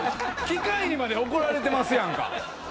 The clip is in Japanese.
機械にまで怒られてますやんか。